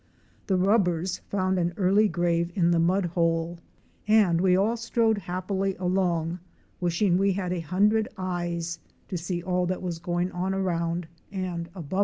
The rubbers found an early grave in the mud hole and we all strode happily along, wishing we had a hun dred eyes, to see all that was going on around and above us.